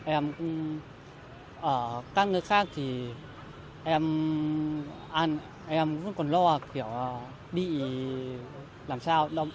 em cũng ở các nơi khác thì em cũng còn lo kiểu bị làm sao